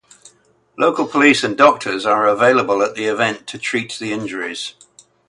Local police and doctors are available at the event to treat the injuries.